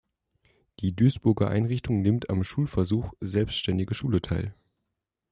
Die Duisburger Einrichtung nimmt am Schulversuch „Selbstständige Schule“ teil.